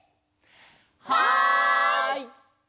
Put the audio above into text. はい！